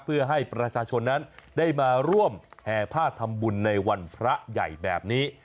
เพื่อให้ประชาชนนั้นได้มาร่วมแห่ผ้าทำบุญในวันพระใหญ่แบบนี้